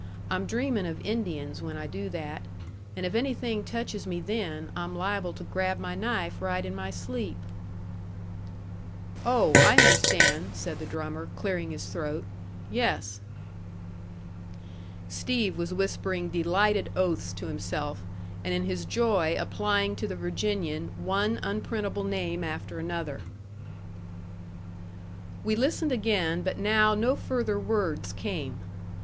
I'm dreamin' of Indians when I do that. And if anything touches me then, I'm liable to grab my knife right in my sleep." "Oh, I understand," said the drummer, clearing his throat. "Yes." Steve was whispering delighted oaths to himself, and in his joy applying to the Virginian one unprintable name after another. We listened again, but now no further words came.